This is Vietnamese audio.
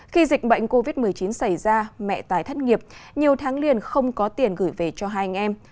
khi dịch bệnh covid một mươi chín xảy ra mẹ tài thất nghiệp nhiều tháng liền không có tiền gửi về cho hai anh em